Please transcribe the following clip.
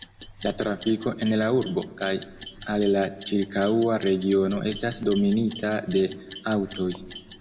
La trafiko en la urbo kaj al la ĉirkaŭa regiono estas dominita de aŭtoj.